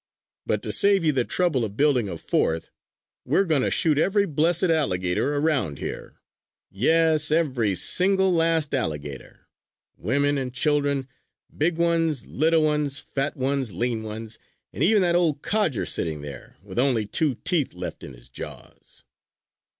But to save you the trouble of building a fourth, we are going to shoot every blessed alligator around here. Yes, every single last alligator, women and children, big ones, little ones, fat ones, lean ones, and even that old codger sitting there with only two teeth left in his jaws!"